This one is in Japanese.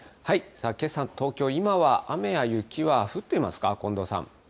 けさ東京、今は雨や雪は降ってますか？